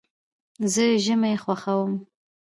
زه ژمی خوښوم.